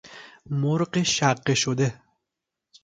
مرغ شقه شده